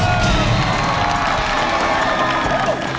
โอ้โฮ